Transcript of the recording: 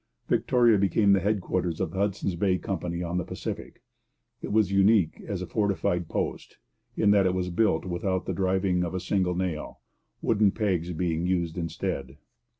Victoria became the headquarters of the Hudson's Bay Company on the Pacific. It was unique as a fortified post, in that it was built without the driving of a single nail, wooden pegs being used instead.